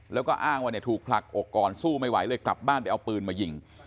แล้วก็อ้างว่าเนี่ยถูกผลักอกก่อนสู้ไม่ไหวเลยกลับบ้านไปเอาปืนมายิง